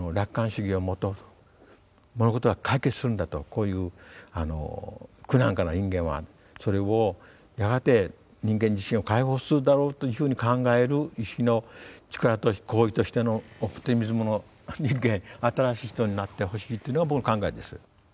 こういう苦難から人間はそれをやがて人間自身を解放するだろうというふうに考える意志の力として行為としてのオプティズムの人間「新しい人」になってほしいというのが僕の考えです。